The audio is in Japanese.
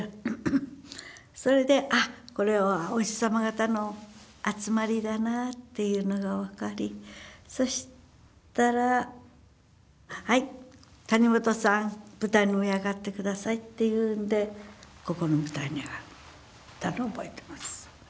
それでこれはお医者様方の集まりだなっていうのが分かりそしたら「はい谷本さん舞台の上へ上がって下さい」って言うんでここの舞台に上がったのを覚えてます。